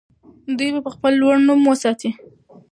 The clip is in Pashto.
دوی به خپل لوړ نوم ساتي.